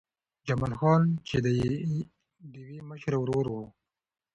جمال خان چې د ډېوې مشر ورور و